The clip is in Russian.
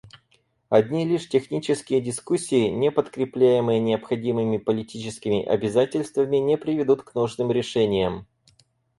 Одни лишь технические дискуссии, не подкрепляемые необходимыми политическими обязательствами, не приведут к нужным решениям.